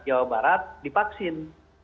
jawa barat dipaksin